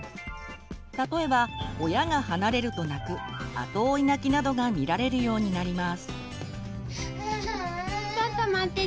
例えば親が離れると泣く後追い泣きなどが見られるようになります。